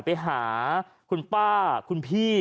ไปหาคุณป้าคุณพี่